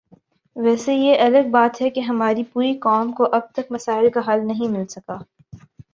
ویسے یہ الگ بات ہے کہ ہماری پوری قوم کو اب تک مسائل کا حل نہیں مل سکا